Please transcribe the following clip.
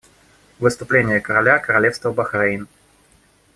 Выступление короля Королевства Бахрейн.